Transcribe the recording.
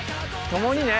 「ともに」ね。